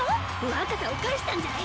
若さを返したんじゃい。